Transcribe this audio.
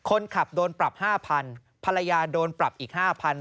คนขับโดนปรับ๕๐๐ภรรยาโดนปรับอีก๕๐๐